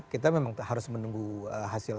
kita memang harus menunggu hasil